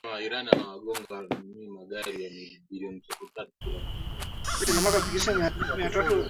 maambukizi ya virusi vya ukimwi yamepungua sana